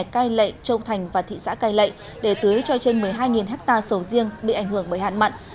cai lệ châu thành và thị xã cai lệ để tưới cho trên một mươi hai hectare sầu riêng bị ảnh hưởng bởi hạn mặn